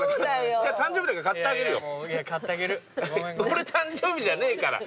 俺誕生日じゃねえから。